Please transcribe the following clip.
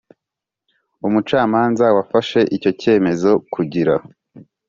Umucamanza wafashe icyo cyemezo kugira